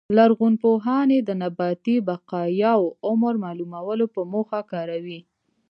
لرغونپوهان یې د نباتي بقایاوو عمر معلومولو په موخه کاروي